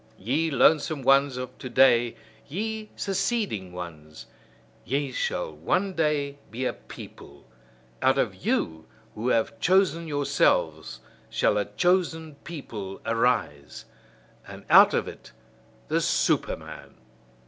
Ye lonesome ones of to day, ye seceding ones, ye shall one day be a people: out of you who have chosen yourselves, shall a chosen people arise: and out of it the Superman.